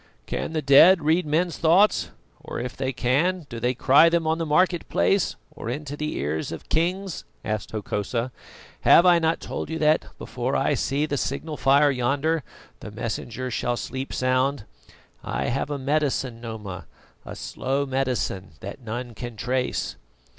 "Can the dead read men's thoughts, or if they can, do they cry them on the market place or into the ears of kings?" asked Hokosa. "Have I not told you that, before I see the signal fire yonder, the Messenger shall sleep sound? I have a medicine, Noma, a slow medicine that none can trace."